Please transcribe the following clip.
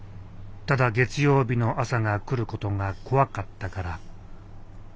ただ月曜日の朝が来ることが怖かったから。